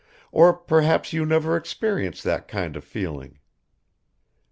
Or perhaps you never experience that kind of feeling?"